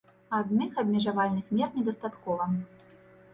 Адных абмежавальных мер недастаткова.